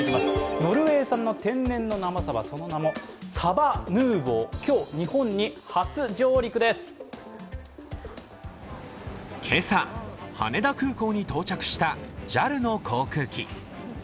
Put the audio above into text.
ノルウェー産の天然サバ、その名もサバヌーヴォー、今朝、羽田空港に到着したＪＡＬの航空機。